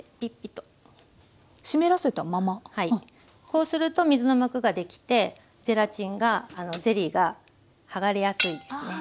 こうすると水の膜ができてゼリーが剥がれやすいですね。